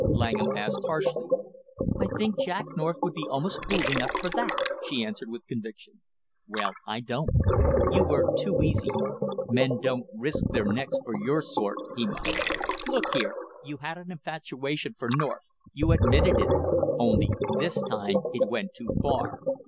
Langham asked harshly. "I think Jack North would be almost fool enough for that," she answered with conviction. "Well, I don't, you were too easy, men don't risk their necks for your sort!" he mocked. "Look here, you had an infatuation for North, you admitted it, only this time it went too far!